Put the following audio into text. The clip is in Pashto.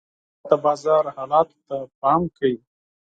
دوکاندار د بازار حالاتو ته پام کوي.